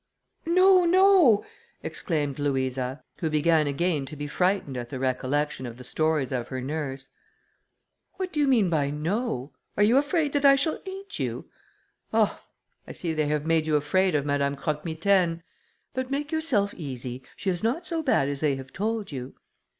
"No! no!" exclaimed Louisa, who began again to be frightened at the recollection of the stories of her nurse. "What do you mean by 'No?' Are you afraid that I shall eat you? Oh! I see they have made you afraid of Madame Croque Mitaine; but make yourself easy, she is not so bad as they have told you."